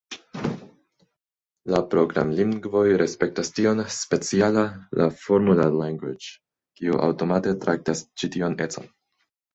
La programlingvoj respektas tion, speciala la "Formula language", kiu aŭtomate traktas ĉi tion econ.